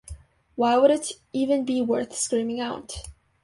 Why would it even be worth screaming out?